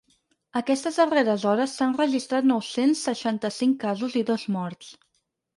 Aquestes darreres hores s’han registrat nou-cents seixanta-cinc casos i dos morts.